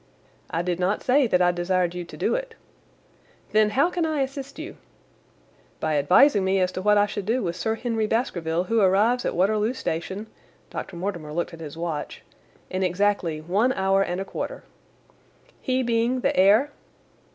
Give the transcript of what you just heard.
"I did not say that I desired you to do it." "Then, how can I assist you?" "By advising me as to what I should do with Sir Henry Baskerville, who arrives at Waterloo Station"—Dr. Mortimer looked at his watch—"in exactly one hour and a quarter." "He being the heir?"